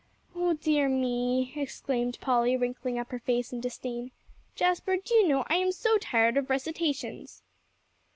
"Oh dear me!" exclaimed Polly, wrinkling up her face in disdain. "Jasper, do you know, I am so tired of recitations!"